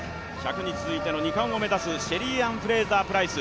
１００に続いての２冠を目指すシェリーアン・フレイザー・プライス。